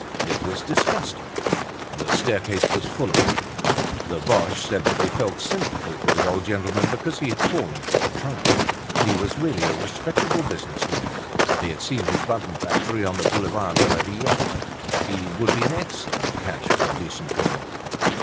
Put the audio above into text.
It was disgusting. The staircase was full of them. The Boches said that they felt sympathy for the old gentleman because he had fallen for a tramp. He was really a respectable businessman, they had seen his button factory on the Boulevard de la Villette. He would be an excellent catch for a decent girl.